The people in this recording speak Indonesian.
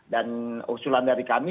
dan usulan dari kami